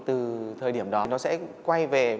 từ thời điểm đó nó sẽ quay về